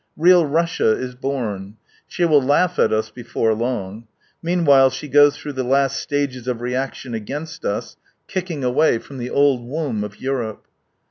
Real Russia is born. She will laugh at us before lofi^. Meanwhile she goes through the last stages of reaction against us, kicking away from the old womb of Europe.